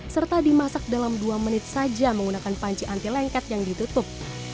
serta dimasak dalam dua menit saja menggunakan panci anti lengket yang ditutup